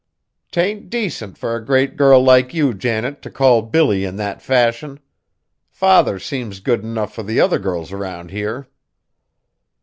"'T ain't decent fur a great girl like you, Janet, t' call Billy in that fashion. Father seems good enough for the other girls around here."